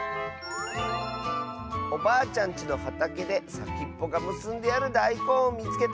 「おばあちゃんちのはたけでさきっぽがむすんであるだいこんをみつけた！」。